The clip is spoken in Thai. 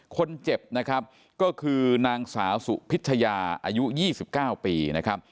คนเจ็บนะครับก็คือนางสาวสุพิชยาอายุ๒๙ปีนะครับ